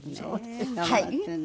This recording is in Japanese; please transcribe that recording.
頑張ってね